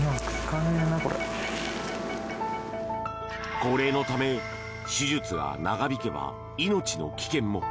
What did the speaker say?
高齢のため手術が長引けば命の危険も。